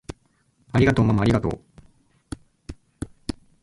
ありがとうままありがとう！